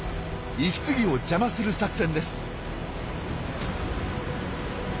息継ぎを邪魔する作戦です。